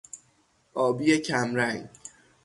آبی کمرنگ